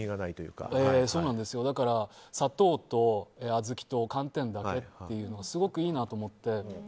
だから、砂糖と小豆と寒天だけっていうのがすごくいいなと思って。